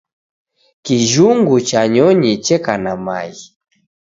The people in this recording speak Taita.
Kijhungu cha nyonyi cheka na maghi